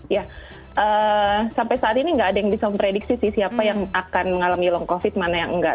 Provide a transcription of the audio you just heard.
ya sampai saat ini nggak ada yang bisa memprediksi sih siapa yang akan mengalami long covid mana yang enggak